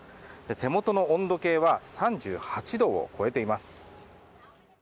手元の温度計は３８度を超えています。